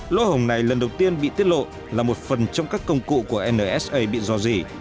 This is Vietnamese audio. lỗ hổng này lần đầu tiên bị tiết lộ là một phần trong các công cụ của nsa bị do gì